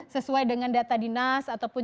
sesuai dengan data dinas ataupun